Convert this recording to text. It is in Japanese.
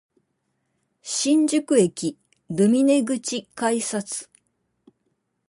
新宿駅ルミネ口改札